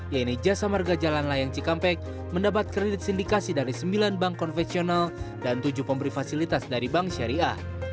yaitu jasa marga jalan layang cikampek mendapat kredit sindikasi dari sembilan bank konvensional dan tujuh pemberi fasilitas dari bank syariah